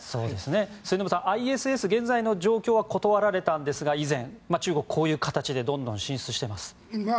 末延さん、ＩＳＳ現在の状況は断られたんですが依然、中国はこういう形でどんどん進出しています。